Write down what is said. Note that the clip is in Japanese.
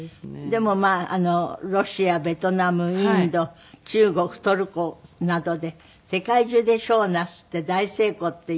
でもロシアベトナムインド中国トルコなどで世界中でショーをなすって大成功っていう。